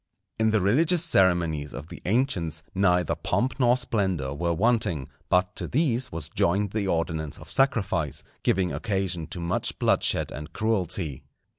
In the religious ceremonies of the ancients neither pomp nor splendour were wanting; but to these was joined the ordinance of sacrifice, giving occasion to much bloodshed and cruelty.